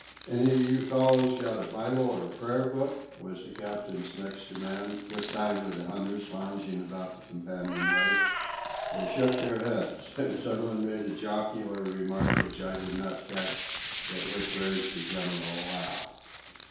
"Any of you fellows got a Bible or Prayer book?" was the captain's next demand, this time of the hunters lounging about the companion way. They shook their heads, and some one made a jocular remark which I did not catch, but which raised a general laugh.